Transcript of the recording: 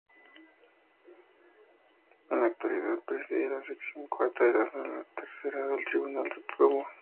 En la actualidad, preside la Sección Cuarta de la Sala Tercera del Tribunal Supremo.